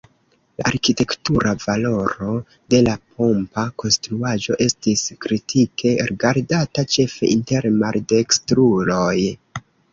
La arkitektura valoro de la pompa konstruaĵo estis kritike rigardata, ĉefe inter maldekstruloj.